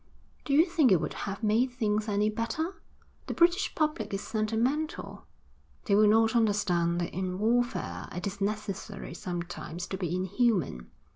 'Do you think it would have made things any better? The British public is sentimental; they will not understand that in warfare it is necessary sometimes to be inhuman.